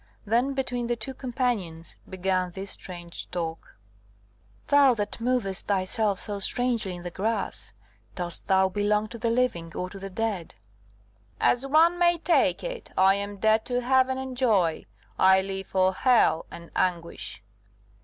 Then between the two companions began this strange talk: "Thou that movest thyself so strangely in the grass, dost thou belong to the living or to the dead?" "As one may take it. I am dead to heaven and joy I live for hell and anguish."